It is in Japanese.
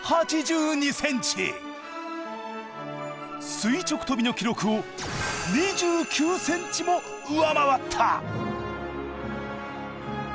垂直跳びの記録を２９ｃｍも上回った！